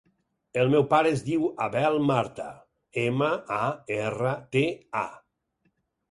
El meu pare es diu Abel Marta: ema, a, erra, te, a.